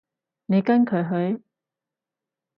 你跟佢去？